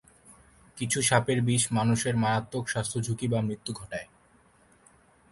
কিছু সাপের বিষ মানুষের মারাত্মক স্বাস্থ্য ঝুঁকি বা মৃত্যু ঘটায়।